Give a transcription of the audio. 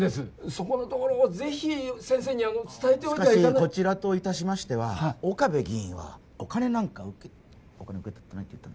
そこのところをぜひ先生に伝えておいてしかしこちらといたしましては岡部議員はお金なんか受けお金受け取ってないって言った？